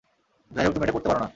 যাইহোক, তুমি এটা করতে পারো না।